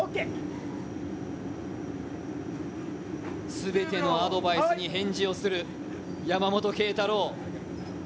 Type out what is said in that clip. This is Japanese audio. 全てのアドバイスに返事をする山本桂太朗。